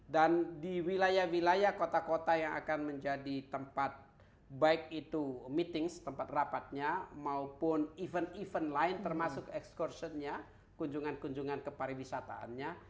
dan di wilayah wilayah kota kota yang akan menjadi tempat baik itu meeting tempat rapatnya maupun event event lain termasuk excursionnya kunjungan kunjungan ke pariwisataannya